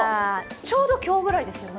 ちょうど今日くらいですよね。